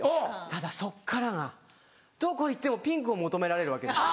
ただそっからがどこ行ってもピンクを求められるわけです。